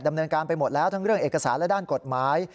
ดำเนินการไปหมดแล้วทั้งเรื่องเอกสารและด้านกฎหมาย